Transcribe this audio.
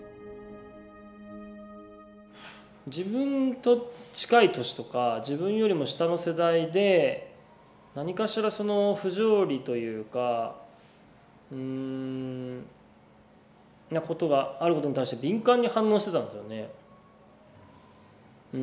自分と近い年とか自分よりも下の世代で何かしらその不条理というかうんなことがあることに対して敏感に反応してたんですよね。